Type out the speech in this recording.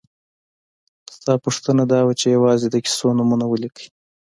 ستا پوښتنه دا وه چې یوازې د کیسو نومونه ولیکئ.